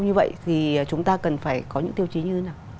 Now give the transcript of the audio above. như vậy thì chúng ta cần phải có những tiêu chí như thế nào